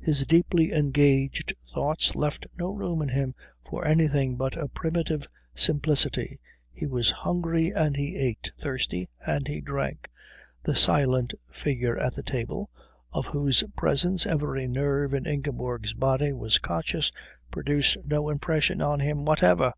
His deeply engaged thoughts left no room in him for anything but a primitive simplicity. He was hungry, and he ate; thirsty, and he drank. The silent figure at the table, of whose presence every nerve in Ingeborg's body was conscious, produced no impression on him whatever.